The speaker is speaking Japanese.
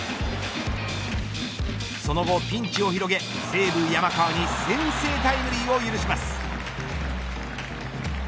その後ピンチを広げ西武、山川に先制タイムリーを許します。